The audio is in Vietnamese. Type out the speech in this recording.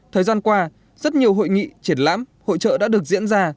thời gian qua rất nhiều hội nghị triển lãm hội trợ đã được diễn ra